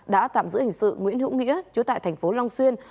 đã tạm giữ hình sự nguyễn hữu nghĩa chú tại tp long xuyên